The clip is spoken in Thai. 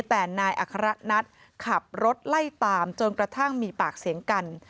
แต่นายอัคระนัทขับรถไล่ตามจนกระทั่งมีปากเสียงกัน